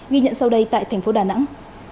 ghi nhận sau đây tại thành phố đà nẵng